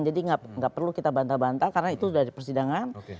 jadi nggak perlu kita bantal bantal karena itu sudah dipersidangan